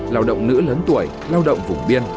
lao động nữ lớn tuổi lao động vùng biên